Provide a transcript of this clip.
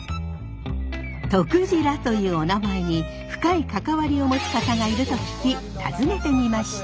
とくじらというおなまえに深い関わりを持つ方がいると聞き訪ねてみました。